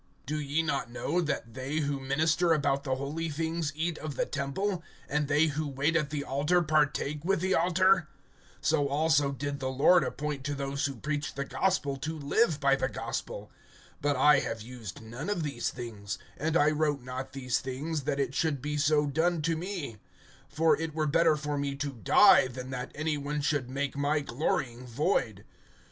(13)Do ye not know that they who minister about the holy things eat of the temple, and they who wait at the altar partake with the altar? (14)So also did the Lord appoint to those who preach the gospel, to live by the gospel. (15)But I have used none of these things; and I wrote not these things, that it should be so done to me; for it were better for me to die, than that any one should make my glorying void.